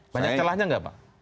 banyak celahnya enggak pak